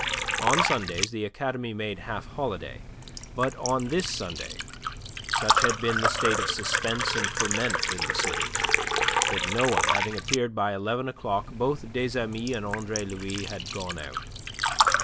On Sundays the academy made half holiday; but on this Sunday such had been the state of suspense and ferment in the city that no one having appeared by eleven o'clock both des Amis and Andre Louis had gone out.